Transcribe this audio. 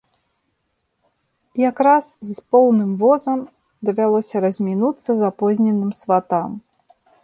Якраз з поўным возам давялося размінуцца запозненым сватам.